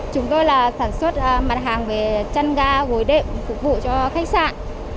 chúng tôi là sản xuất mặt hàng về chăn ga gối đệm phục vụ cho khách sạn